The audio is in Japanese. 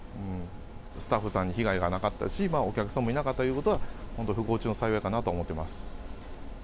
スタッフさんに被害がなかったし、お客さんもいなかったということは、本当、不幸中の幸いかなと思